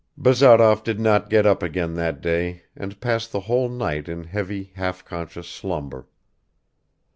Bazarov did not get up again that day and passed the whole night in heavy half conscious slumber.